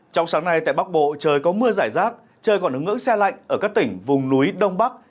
trong sáng nay tại bắc bộ trời có mưa giải rác trời còn ứng ngưỡng xe lạnh ở các tỉnh vùng núi đông bắc